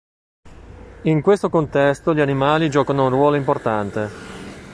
In questo contesto, gli animali giocano un ruolo importante.